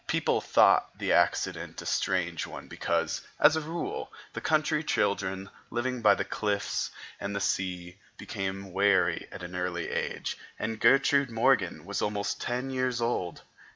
People thought the accident a strange one because, as a rule, country children living by the cliffs and the sea become wary at an early age, and Gertrude Morgan was almost ten years old.